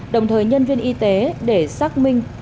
đồng thời nhân viên y tế để xác định